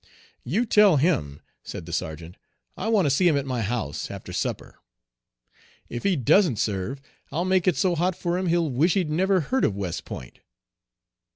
"You tell him," said the sergeant, "I want to see him at my 'house' after supper. If he doesn't serve I'll make it so hot for him he'll wish he'd never heard of West Point."